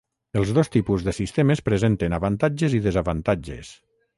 Els dos tipus de sistemes presenten avantatges i desavantatges.